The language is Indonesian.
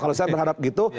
kalau saya berharap gitu